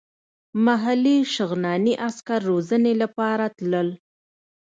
محلي شغناني عسکر روزنې لپاره تلل.